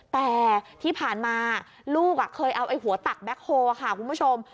แต่ที่ผ่านมาลูกเคยเอาไอ้หัวตักแก๊คโฮลค่ะคุณผู้ชม